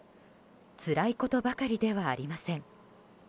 つらいことばかりではありません。